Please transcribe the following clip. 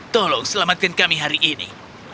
tolong selamatkan kami hari ini